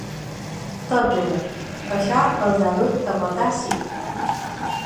Tot d’una, això els ha dut a votar sí.